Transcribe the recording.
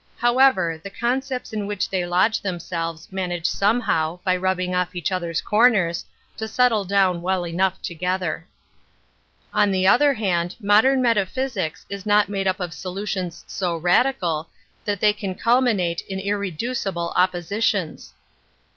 However, the concepts in which they lodge themselves manage somehow, by rubbing off each other's comers, to settle down well enough together. On the other hand, modem metaphysics is not made up of solutions so radical that they can culminate in irreducible oppo An Introduction to sitions.